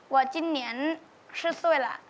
ว่าจินเนียนชื่อซวยล่ะ